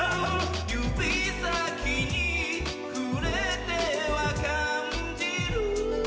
指先にふれては感じる